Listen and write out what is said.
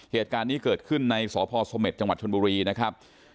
เหตุการณ์นี้เกิดขึ้นในสพสเมษจังหวัดชนบุรีนะครับ